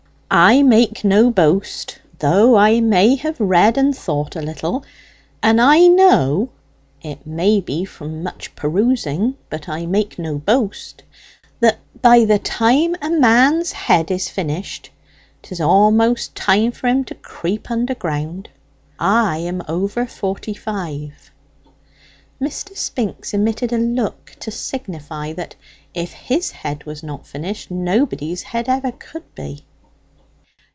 "I make no boast, though I may have read and thought a little; and I know it may be from much perusing, but I make no boast that by the time a man's head is finished, 'tis almost time for him to creep underground. I am over forty five." Mr. Spinks emitted a look to signify that if his head was not finished, nobody's head ever could be.